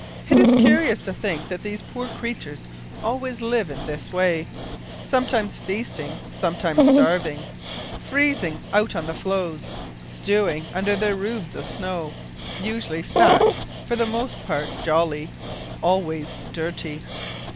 It is curious to think that these poor creatures always live in this way. Sometimes feasting, sometimes starving. Freezing out on the floes; stewing under their roofs of snow. Usually fat; for the most part jolly; always dirty!